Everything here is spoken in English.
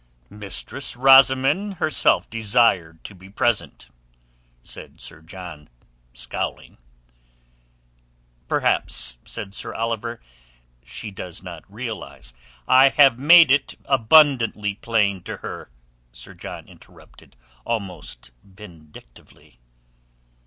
"Mistress Rosamund herself desired to be present," said Sir John, scowling. "Perhaps," said Sir Oliver, "she does not realize...." "I have made it abundantly plain to her," Sir John interrupted, almost vindictively.